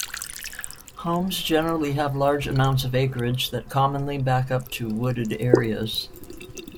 Homes generally have large amounts of acreage that commonly back up to wooded areas.